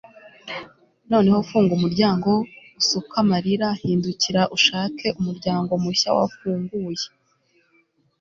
noneho, funga umuryango, usuka amarira, hindukira ushake umuryango mushya wafunguye